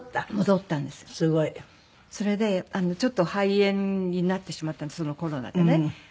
それでちょっと肺炎になってしまったのでそのコロナでね。